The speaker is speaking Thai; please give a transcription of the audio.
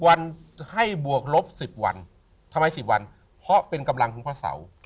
วันให้บวกลบ๑๐วันทำไม๑๐วันเพราะเป็นกำลังของพระเสา